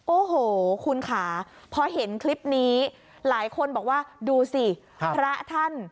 โอ้โหคุณค่ะพอเห็นคลิปนี้หลายคนบอกว่าดูสิพระท่าน